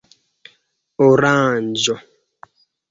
oranĝo